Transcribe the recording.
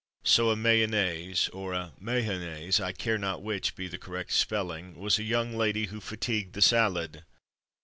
So a Mayonnaise or a Mahonnaise I care not which be the correct spelling was a young lady who "fatigued" the salad.